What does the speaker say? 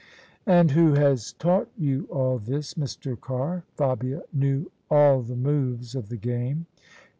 "And who has taught you all this, Mr. Carr?" Fabia knew all the moves of the game.